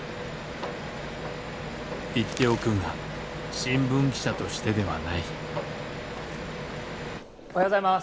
言っておくが新聞記者としてではないおはようございます。